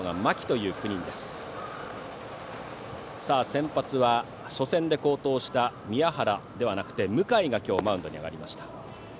先発は初戦で好投した宮原ではなく向井がマウンドに上がりました。